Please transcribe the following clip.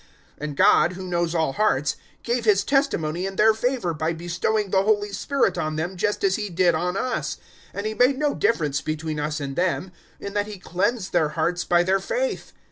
015:008 And God, who knows all hearts, gave His testimony in their favour by bestowing the Holy Spirit on them just as He did on us; 015:009 and He made no difference between us and them, in that He cleansed their hearts by their faith.